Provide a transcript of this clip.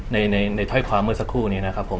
ถ้อยความเมื่อสักครู่นี้นะครับผม